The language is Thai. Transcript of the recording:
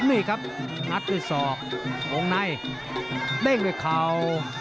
นี่ครับงัดด้วยศอกวงในเด้งด้วยเข่า